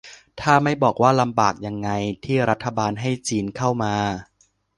ถ้าไม่บอกว่าลำบากยังไง ที่รัฐบาลให้จีนเข้ามา